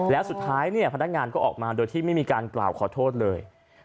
แล้วสุดท้ายเนี่ยพนักงานก็ออกมาโดยที่ไม่มีการกล่าวขอโทษเลย